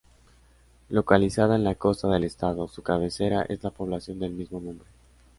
Localizada en la costa del estado, su cabecera es la población del mismo nombre.